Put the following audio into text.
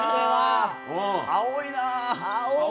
青いな。